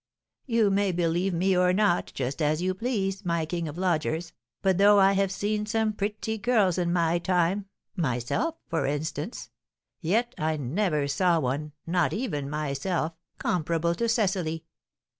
You may believe me or not, just as you please, my king of lodgers, but though I have seen some pretty girls in my time, myself, for instance, yet I never saw one (not even myself) comparable to Cecily.